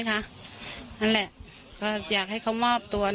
นั่นแหละก็อยากให้เขามอบตัว